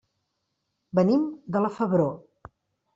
Venim de la Febró.